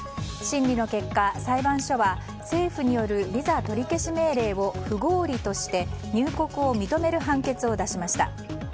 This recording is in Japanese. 審理の結果、裁判所は政府によるビザ取り消し命令を不合理として入国を認める判決を出しました。